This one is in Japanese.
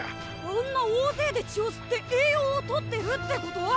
あんな大勢で血を吸って栄養をとってるってこと？